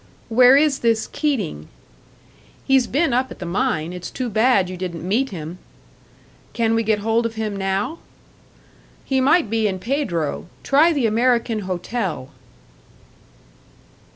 "Where is this Keating?" "He's been up at the mine. It's too bad you didn't meet him." "Can we get hold of him now?" "He might be in Pedro. Try the American Hotel."